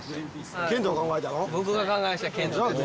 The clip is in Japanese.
僕が考えました。